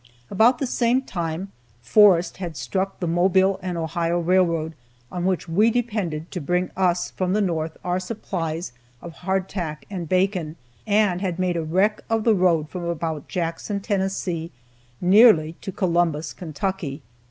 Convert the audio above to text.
About the same time Forrest had struck the Mobile and Ohio railroad, on which we depended to bring us from the north our supplies of hardtack and bacon, and had made a wreck of the road from about Jackson, Tennessee, nearly to Columbus, Kentucky.